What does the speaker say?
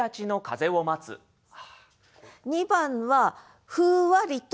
２番は「ふうわりと」